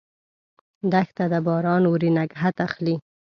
دښته ده ، باران اوري، نګهت اخلي